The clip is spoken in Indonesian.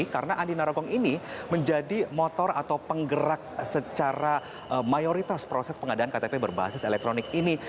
karena andi narogong ini menjadi motor atau penggerak secara mayoritas proses pengadaan ktp berbasis elektronik ini